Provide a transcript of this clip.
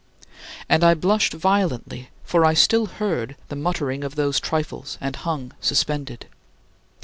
And I blushed violently, for I still heard the muttering of those "trifles" and hung suspended.